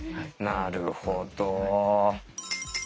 なるほど。